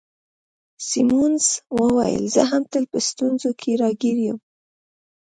سیمونز وویل: زه هم تل په ستونزو کي راګیر یم.